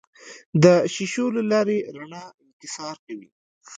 د شیشو له لارې رڼا انکسار کوي.